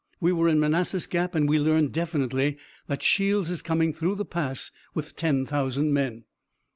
We were in Manassas Gap and we learned definitely that Shields is coming through the pass with ten thousand men."